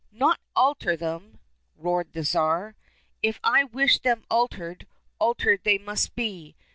—" Not alter them !" roared the Tsar ;" if I wish them altered, altered they must be.